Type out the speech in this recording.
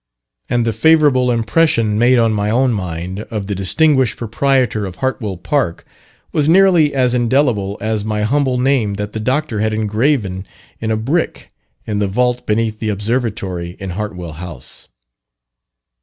And the favourable impression made on my own mind, of the distinguished proprietor of Hartwell Park, was nearly as indelible as my humble name that the Doctor had engraven in a brick, in the vault beneath the Observatory in Hartwell House.